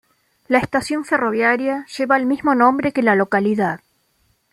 La estación ferroviaria lleva el mismo nombre que la localidad.